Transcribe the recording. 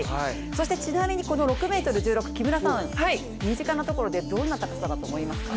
そしてちなみに、６ｍ１６ｃｍ木村さん、身近なところでどんな高さだと思いますか？